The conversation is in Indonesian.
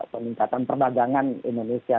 peningkatan perdagangan indonesia